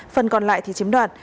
phần còn lại thì chiếm đoạt